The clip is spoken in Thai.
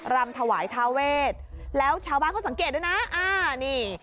รำถวายทาเวทแล้วชาวบ้านเขาสังเกตด้วยนะอ่านี่